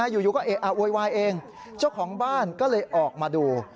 อยู่ก็เอะอะโวยวายเองเจ้าของบ้านก็เลยออกมาดู